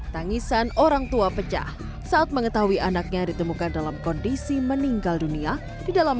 tangisan orang tua pecah saat mengetahui anaknya ditemukan dalam kondisi meninggal dunia di dalam